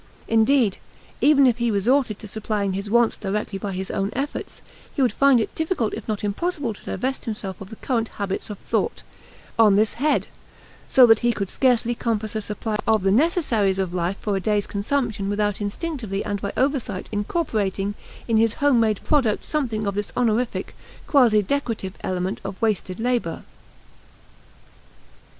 Indeed, even if he resorted to supplying his wants directly by his own efforts, he would find it difficult if not impossible to divest himself of the current habits of thought on this head; so that he could scarcely compass a supply of the necessaries of life for a day's consumption without instinctively and by oversight incorporating in his home made product something of this honorific, quasi decorative element of wasted labor.